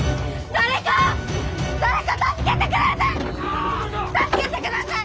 誰か助けてください！